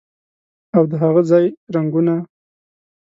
او د هاغه ځای رنګونه